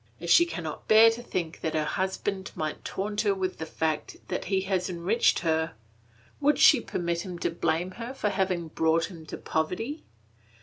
If she cannot bear to think that her husband might taunt her with the fact that he has enriched her, would she permit him to blame her for having brought him to poverty?